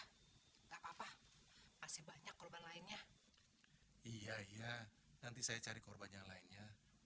hai tak apa apa masih banyak korban lainnya iya iya nanti saya cari korban yang lainnya